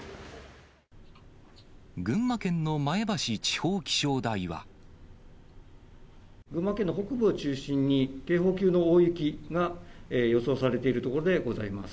群馬県の北部を中心に、警報級の大雪が予想されているところでございます。